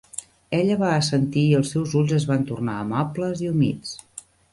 Ella va assentir i els seus ulls es van tornar amables i humits.